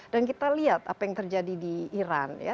dan kita lihat apa yang terjadi di iran